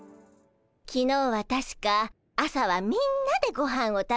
きのうはたしか朝はみんなでごはんを食べたわよね。